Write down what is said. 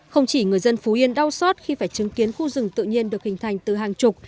không chỉ người dân phú yên đau xót khi phải chứng kiến khu rừng tự nhiên được hình thành từ hàng chục